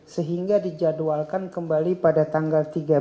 sehingga dijadwalkan kembali pada tanggal tiga belas maret